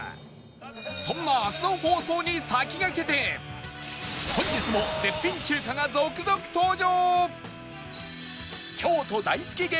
そんな明日の放送に先駆けて本日も絶品中華が続々登場！